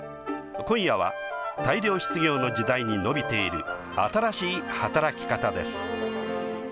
今夜は大量失業の時代に伸びている新しい働き方です。